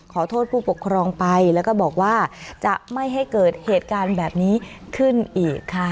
ขอโทษผู้ปกครองไปแล้วก็บอกว่าจะไม่ให้เกิดเหตุการณ์แบบนี้ขึ้นอีกค่ะ